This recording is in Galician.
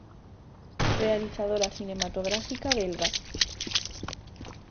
Realizadora cinematográfica belga.